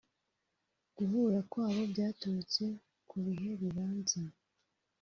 Guhura kwabo byaturutse ku bihe bibanza